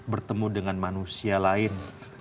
bertemu dengan manusia lain